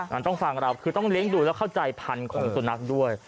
มันต้องฟังเราคือต้องเลี้ยงดูแล้วเข้าใจพันธุ์ของสุนัขด้วย